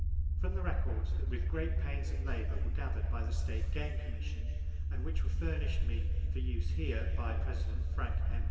From the records that with great pains and labor were gathered by the State Game Commission, and which were furnished me for use here by [Page 5] President Frank M.